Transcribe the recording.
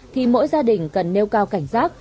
thì mỗi gia đình cần nêu cao cảnh giác